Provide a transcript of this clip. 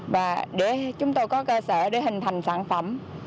và để chúng tôi có cơ sở để hình thành sản phẩm